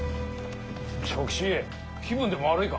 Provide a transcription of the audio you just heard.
長吉気分でも悪いか？